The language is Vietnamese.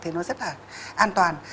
thì nó rất là an toàn